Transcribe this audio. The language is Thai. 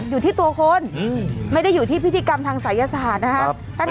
อยู่ที่ตัวคนไม่ได้อยู่ที่พิธีกรรมทางศัยศาสตร์นะครับ